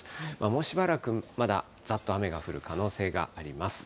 もうしばらく、まだざっと雨が降る可能性があります。